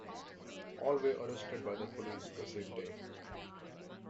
All were arrested by the police the same day.